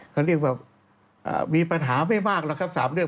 เขาเรียกว่ามีปัญหาไม่มากแล้วครับ๓เรื่อง